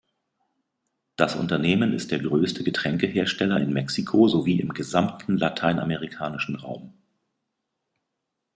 Das Unternehmen ist der größte Getränkehersteller in Mexiko sowie im gesamten lateinamerikanischen Raum.